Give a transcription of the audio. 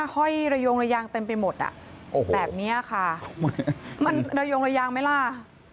ห้อยระยงระยางเต็มไปหมดอ่ะแบบนี้ค่ะมันระยงระยางไหมล่ะ